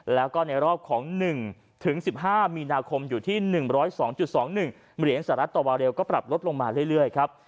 แล้วก็ในรอบของ๑๑๕มีนาคมอยู่ที่๑๐๒๒๑เหรียญสหรัฐต่อวาเรลก็ปรับลดลงมาเรื่อยครับ